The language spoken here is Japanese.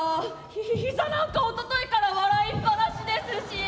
ひひ膝なんかおとといから笑いっぱなしですし。